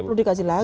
perlu dikaji lagi